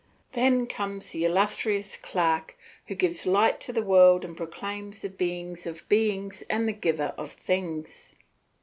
Then comes the illustrious Clarke who gives light to the world and proclaims the Being of beings and the Giver of things.